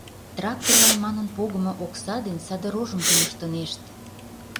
Тракторлан манын погымо окса дене саде рожым тумыштынешт...